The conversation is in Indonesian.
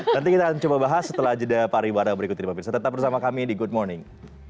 nanti kita coba bahas setelah jeda pariwara berikutnya tetap bersama kami di good morning